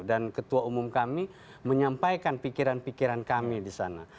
dan ketua umum kami menyampaikan pikiran pikiran kami di sana